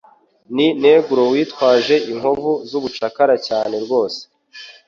Ndi Negro yitwaje inkovu z'ubucakara cyane rwose